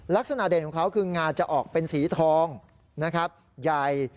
ลักษณะเด่นของเขาคืองาจะออกเป็นสีทองนะครับใหญ่